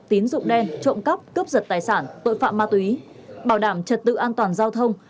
tín dụng đen trộm cắp cướp giật tài sản tội phạm ma túy bảo đảm trật tự an toàn giao thông